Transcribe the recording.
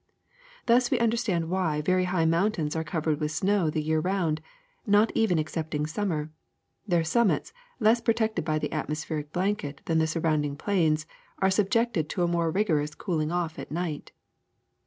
Thus we understand why very high mountains are covered with snow the year around, not even except ing summer: their summits, less protected by the atmospheric blanket than the surrounding plains, are subjected to a more rigorous cooling off at night.